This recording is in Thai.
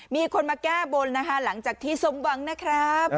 มีคนมาแก้บนนะคะหลังจากที่สมหวังนะครับ